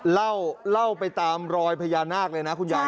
เล่าไปตามรอยพญานาคเลยนะคุณยาย